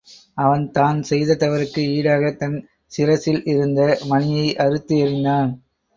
அவன் தான் செய்த தவறுக்கு ஈடாகத் தன் சிரசில் இருந்த மணியை அறுத்து எறிந்தான்.